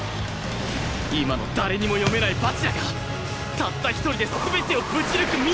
今の誰にも読めない蜂楽がたった一人で全てをぶち抜く未来を！